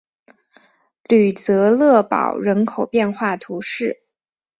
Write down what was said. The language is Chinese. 吕泽勒堡人口变化图示